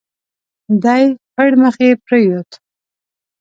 دی پړمخي پرېووت.